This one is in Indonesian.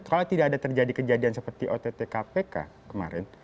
kalau tidak ada terjadi kejadian seperti ott kpk kemarin